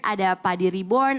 ada padi reborn